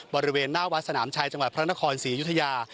บริเวณหน้าวัดสนามชัยจังหวัดพระนครศรีอยุธยา